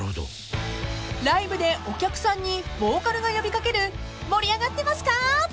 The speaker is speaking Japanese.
［ライブでお客さんにボーカルが呼び掛ける「盛り上がってますか！」］